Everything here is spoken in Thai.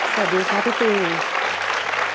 สวัสดีครับพี่ปีน